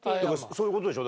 そういう事でしょ？